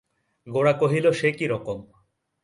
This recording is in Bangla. গোরা কহিল, সে কী রকম?